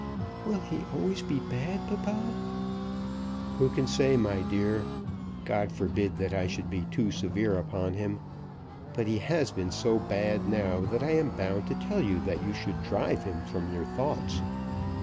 "Will he always be bad, papa?" "Who can say, my dear? God forbid that I should be too severe upon him. But he has been so bad now that I am bound to tell you that you should drive him from your thoughts.